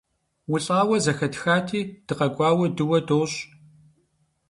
УлӀауэ зэхэтхати, дыкъэкӀуауэ дыуэ дощӀ.